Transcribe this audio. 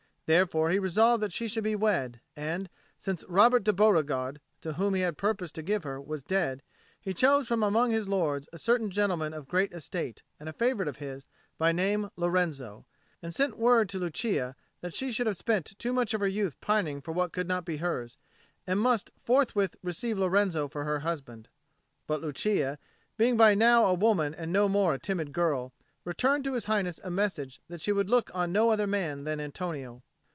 Therefore he resolved that she should be wed, and, since Robert de Beauregard, to whom he had purposed to give her, was dead, he chose from among his lords a certain gentleman of great estate and a favourite of his, by name Lorenzo, and sent word to Lucia that she had spent too much of her youth pining for what could not be hers, and must forthwith receive Lorenzo for her husband. But Lucia, being by now a woman and no more a timid girl, returned to His Highness a message that she would look on no other man than Antonio.